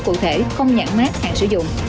cụ thể không nhẵn mát hàng sử dụng